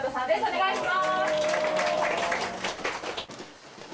お願いします。